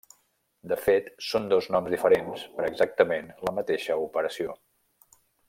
De fet són dos noms diferents per exactament la mateixa operació.